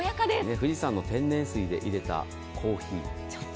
富士山の天然水でいれたコーヒー。